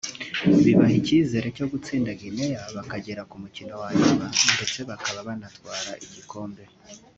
bibaha icyizere cyo gutsinda Guinea bakagera ku mukino wa nyuma ndetse bakaba banatwara igikombe